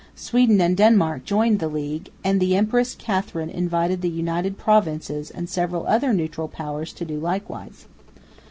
Sweden and Denmark joined the league; and the Empress Catherine invited the United Provinces and several other neutral powers to do likewise.